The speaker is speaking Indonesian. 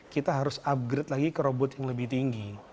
kita harus upgrade lagi ke robot yang lebih tinggi